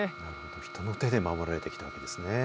人の手で守られてきたわけですね。